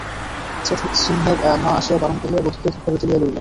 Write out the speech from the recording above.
চেৎসিংহের মা আসিয়া বরণ করিয়া বধূকে ঘরে তুলিয়া লইলেন।